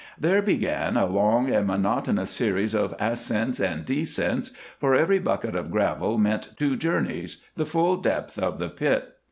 There began a long and monotonous series of ascents and descents, for every bucket of gravel meant two journeys the full depth of the pit.